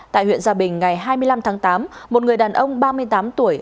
tại huyện gia bình ngày hai mươi năm tháng tám một người đàn ông ba mươi tám tuổi